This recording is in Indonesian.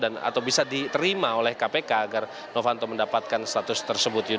atau bisa diterima oleh kpk agar novanto mendapatkan status tersebut